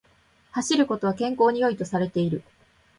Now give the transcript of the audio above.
走ることは健康に良いとされている